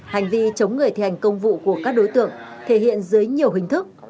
hành vi chống người thi hành công vụ của các đối tượng thể hiện dưới nhiều hình thức